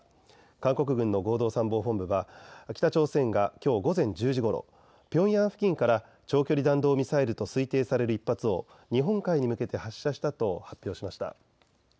韓国軍の合同参謀本部は北朝鮮がきょう午前１０時ごろ、ピョンヤン付近から長距離弾道ミサイルと推定される１発を日本海に向けて発射したと発表しました。